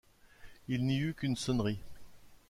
Il n’y eut qu’une sonnerie.